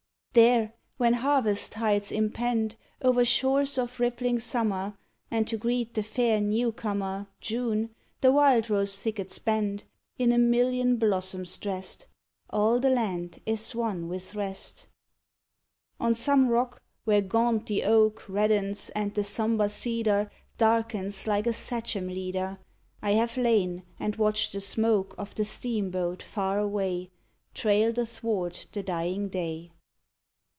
There, when harvest heights impend Over shores of rippling summer, And to greet the fair new comer, June, the wildrose thickets bend In a million blossoms dressed, All the land is one with rest. On some rock, where gaunt the oak Reddens and the sombre cedar Darkens, like a sachem leader, I have lain and watched the smoke Of the steamboat, far away, Trailed athwart the dying day.